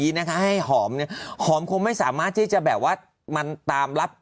อย่างนี้นะคะให้หอมหอมคงไม่สามารถจะแบบว่ามันตามรับ